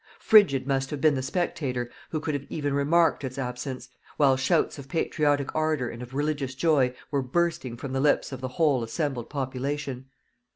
Frigid must have been the spectator who could even have remarked its absence, while shouts of patriotic ardor and of religious joy were bursting from the lips of the whole assembled population.